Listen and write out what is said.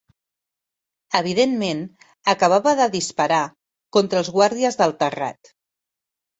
Evidentment, acabava de disparar contra els guàrdies del terrat.